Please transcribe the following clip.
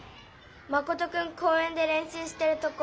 マコトくん公えんでれんしゅうしてるとこ。